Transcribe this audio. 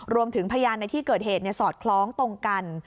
พยานในที่เกิดเหตุสอดคล้องตรงกัน